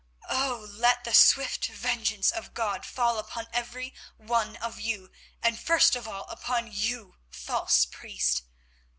"Oh! let the swift vengeance of God fall upon every one of you, and first of all upon you, false priest."